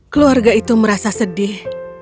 keluarga itu merasa sedih